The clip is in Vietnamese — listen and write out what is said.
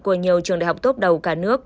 của nhiều trường đại học tốt đầu cả nước